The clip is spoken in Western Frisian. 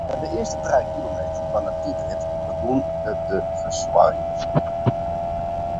Nei de earste trije kilometer fan 'e tiidrit begûn er te fersuorjen.